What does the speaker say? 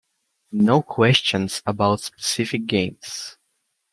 No questions about specific games.